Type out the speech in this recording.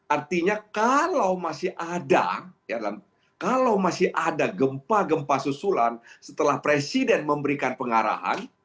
artinya kalau masih ada gempa gempa susulan setelah presiden memberikan pengarahan